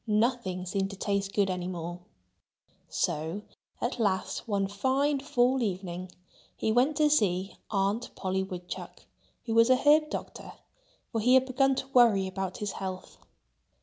Nothing seemed to taste good any more. So at last, one fine fall evening he went to see Aunt Polly Woodchuck, who was an herb doctor; for he had begun to worry about his health.